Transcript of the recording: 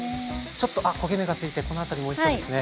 ちょっとあ焦げ目がついてこの辺りもおいしそうですね。